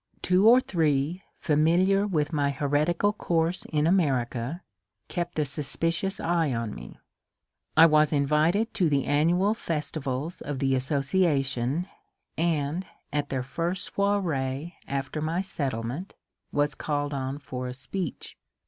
Two or three, familiar with my heretical course in America, kept a suspicious eye on me. I was invited to the annual festivals of the association, and at their first soiree after my settlement was called on for a speech.